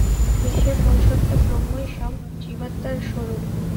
বিশ্বের মূল সত্তা ব্রহ্মই সব জীবাত্মার স্বরূপ।